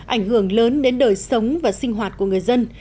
ảnh hưởng lớn đến đời sống và sinh hoạt của người dân